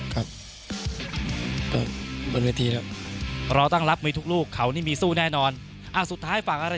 ก็นอกไปที่อาจารย์บอกครับ